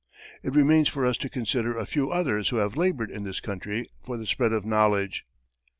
It remains for us to consider a few others who have labored in this country for the spread of knowledge.